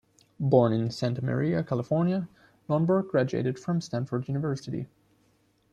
Born in Santa Maria, California, Lonborg graduated from Stanford University.